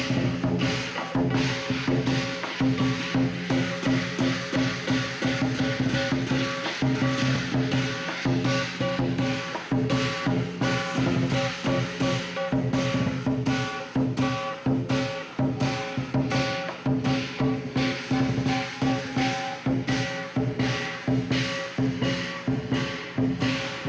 ส่วนช่วงนี้เรามีโชว์มาฝากกับการเชิดสิวนั่นเองครับ